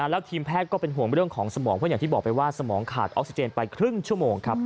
แล้วทีมแพทย์ก็เป็นห่วงเรื่องของสมองเพราะอย่างที่บอกไปว่าสมองขาดออกซิเจนไปครึ่งชั่วโมงครับ